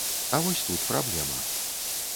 А вось тут праблема.